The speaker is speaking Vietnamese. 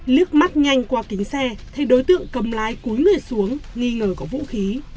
lước mắt nhanh qua kính xe thì đối tượng cầm lái cúi người xuống nghi ngờ có vũ khí